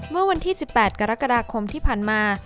เมื่อวันที่๑๘กรกฎาคมที่ผ่านมา